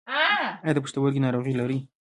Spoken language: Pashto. ایا د پښتورګو ناروغي لرئ؟